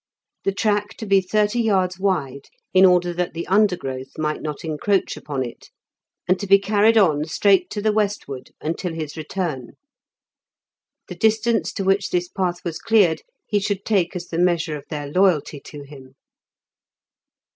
The track to be thirty yards wide in order that the undergrowth might not encroach upon it, and to be carried on straight to the westward until his return. The distance to which this path was cleared he should take as the measure of their loyalty to him.